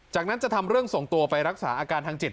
จากนั้นจะทำเรื่องส่งตัวไปรักษาอาการทางจิต